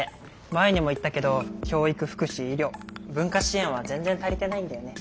前にも言ったけど教育福祉医療文化支援は全然足りてないんだよね。